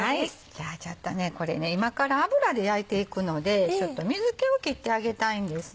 じゃあちょっとこれ今から油で焼いていくので水気を切ってあげたいんですね。